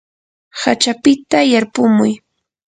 hachapita yarpumuy.